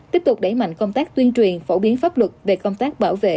tiếp tục đẩy mạnh công tác tuyên truyền phổ biến pháp luật về công tác bảo vệ